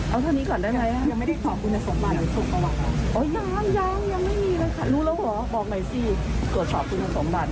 เอาเท่านี้ก่อนได้ไหมครับ